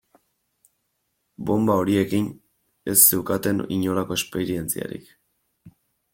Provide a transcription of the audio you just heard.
Bonba horiekin ez zeukaten inolako esperientziarik.